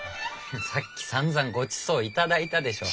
さっきさんざんごちそう頂いたでしょ？